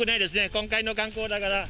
今回の観光だから。